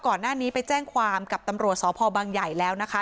ก่อนหน้านี้ไปแจ้งความกับตำรวจสพบังใหญ่แล้วนะคะ